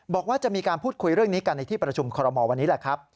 บอกว่าจะมีการพูดคุยเรื่องนี้กันในที่ประชุมคอรมอลวันนี้แหละครับ